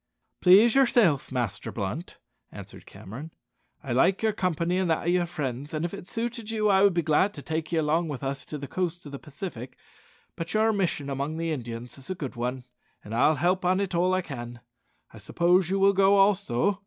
"Please yourself, Master Blunt," answered Cameron. "I like your company and that of your friends, and if it suited you I would be glad to take you along with us to the coast of the Pacific; but your mission among the Indians is a good one, and I'll help it on all I can. I suppose you will go also?"